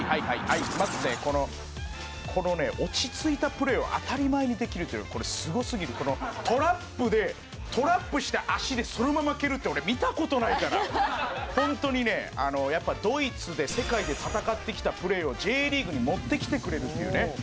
このこのね落ち着いたプレーを当たり前にできるっていうのこれすごすぎる」「トラップでトラップした足でそのまま蹴るって俺見た事ないから」「ホントにねやっぱドイツで世界で戦ってきたプレーをＪリーグに持ってきてくれるっていうね」